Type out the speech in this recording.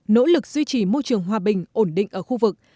nỗ lực duy trì môi trường hòa bình ổn định ở khu vực